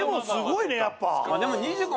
すごいよ。